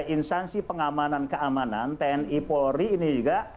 instansi pengamanan keamanan tni polri ini juga